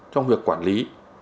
trong việc quản lý